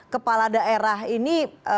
kepala daerah ini